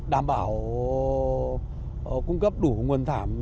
đảm bảo cung cấp đủ nguồn thảm